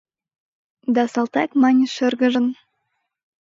Да салтак мане шыргыжын: